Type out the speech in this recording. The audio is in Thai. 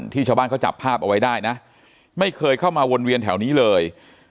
ชาวบ้านเขาจับภาพเอาไว้ได้นะไม่เคยเข้ามาวนเวียนแถวนี้เลย